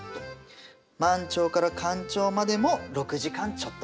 満潮から干潮までも６時間ちょっと。